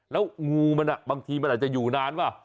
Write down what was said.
แล้วงูมันบางทีมันอาจจะอยู่นานป่ะ